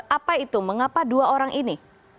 apa itu mengapa dua orang ini